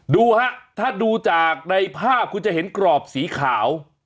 ดูฮะถ้าดูจากในภาพคุณจะเห็นกรอบสีขาว